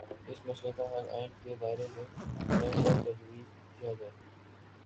اس مسئلے کا حل آئین کے دائرے میں رہ کرتجویز کیا جائے گا۔